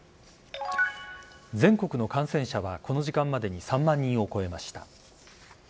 全国の感染者はこの時間までに３万人を超えました。